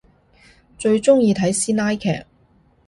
最中意睇師奶劇